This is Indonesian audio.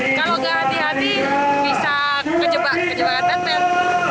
kalau gak hati hati bisa kejebakan batman